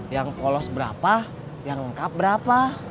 yang polos berapa yang lengkap berapa